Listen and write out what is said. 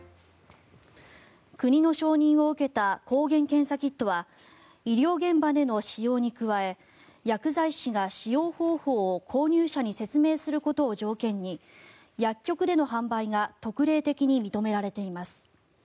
国の承認を受けた抗原検査キットは医療現場での使用に加え薬剤師が使用方法を購入者に説明することを条件に薬局での販売が特例的に認められています。